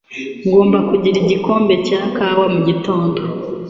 Ngomba kugira igikombe cya kawa mugitondo.